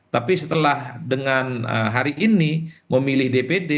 tapi setelah dengan hari ini memilih dpd